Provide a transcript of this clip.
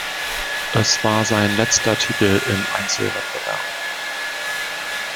Es war sein letzter Titel im Einzelwettbewerb.